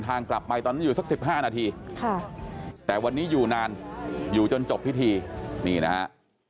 กลับไปตอนนั้นอยู่สัก๑๕นาทีแต่วันนี้อยู่นานอยู่จนจบพิธีนี่นะฮะ